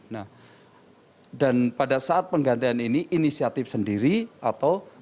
nah dan pada saat penggantian ini inisiatif sendiri atau